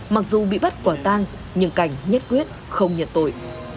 mặc dù bị bắt quả tang nhưng cảnh nhất quyết không nhận tội